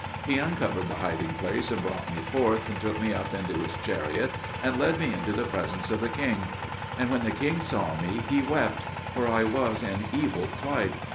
He uncovered the hiding place and brought me forth, and took me up into his chariot and led me into the presence of the king. And when the king saw me, he wept; for I was in evil plight.